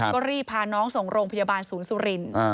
ก็รีบพาน้องส่งโรงพยาบาลศูนย์สุรินทร์